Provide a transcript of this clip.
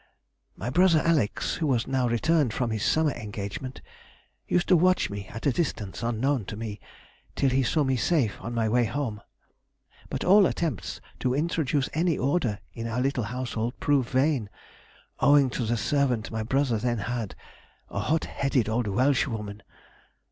My brother Alex, who was now returned from his summer engagement, used to watch me at a distance, unknown to me, till he saw me safe on my way home. But all attempts to introduce any order in our little household proved vain, owing to the servant my brother then had—a hot headed old Welshwoman.